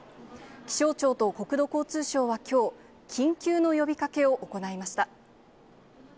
気象庁と国土交通省はきょう、緊急の呼びかけを行いました。